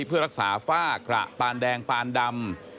เพื่อรักษาฝ้ากระปานแดงปานดำ